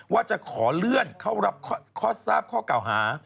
ว่าจะขอเลื่อนเข้ารับข้อทราบข้อเก่าหา